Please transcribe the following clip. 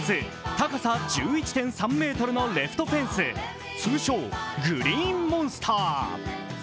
高さ１１．３ｍのレフトフェンス、通称・グリーンモンスター。